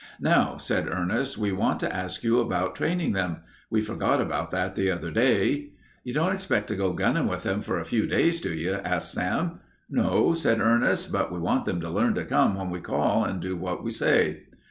"Now," said Ernest, "we want to ask you about training them. We forgot about that the other day." "You don't expect to go gunnin' with 'em for a few days, do you?" asked Sam. "No," said Ernest, "but we want them to learn to come when we call and do what we say."